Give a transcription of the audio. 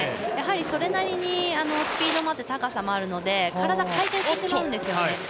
やはりそれなりにスピードもあって高さもあるので体、回転してしまうんですよね。